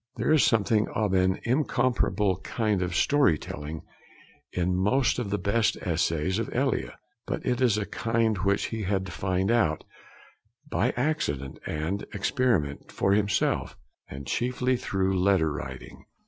There is something of an incomparable kind of story telling in most of the best essays of Elia, but it is a kind which he had to find out, by accident and experiment, for himself; and chiefly through letter writing.